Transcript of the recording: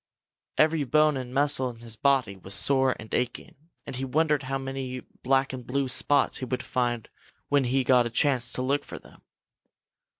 Every bone and muscle in his body was sore and aching, and he wondered how many black and blue spots he would find when he got a chance to look for them.